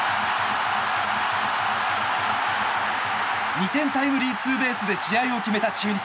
２点タイムリーツーベースで試合を決めた中日。